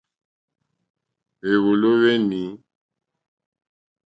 Hwèwòló hwé nǐ.